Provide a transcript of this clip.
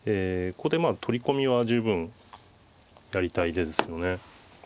ここでまあ取り込みは十分やりたい手ですよね。